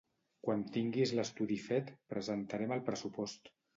Quan tinguis l'estudi fet presentarem el pressupost